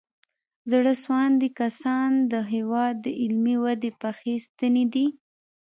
زړه سواندي کسان د هېواد د علمي ودې پخې ستنې دي.